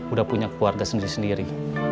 udah punya keluarga sendiri sendiri